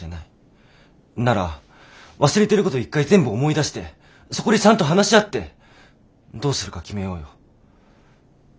なら忘れてること一回全部思い出してそこでちゃんと話し合ってどうするか決めようよ。